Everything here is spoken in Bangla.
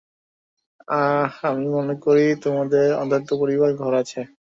আহ, আমি মনে করি তোমাদের অন্তত পরিবার, ঘর আছে।